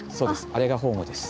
あれがホームです。